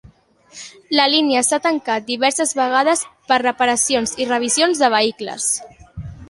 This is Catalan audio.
La línia s'ha tancat diverses vegades per reparacions i revisió de vehicles.